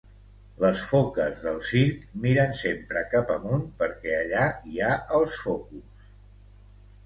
Les foques del circ miren sempre cap amunt perquè allà hi ha els focus